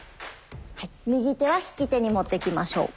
はい右手は引き手にもってきましょう。